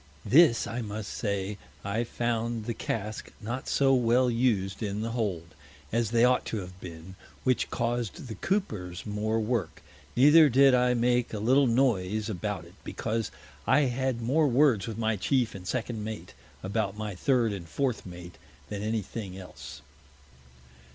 This I must say, I found the Cask not so well used in the Hold, as they ought to have been, which caus'd the Coopers more Work; neither did I make a little Noise about it, because I had more Words with my Chief and Second Mate, about my Third and Fourth Mate, than any thing else.